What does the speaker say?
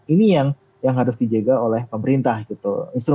ini yang harus dijaga oleh pemerintah gitu